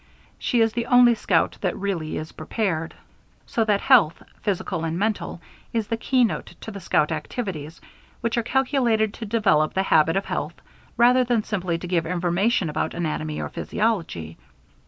She is the only scout that really is prepared." So that health, physical and mental, is the keynote to the scout activities, which are calculated to develop the habit of health, rather than simply to give information about anatomy or physiology.